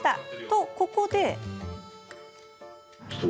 と、ここで。